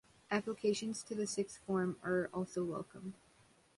Applications to the sixth form are also welcomed.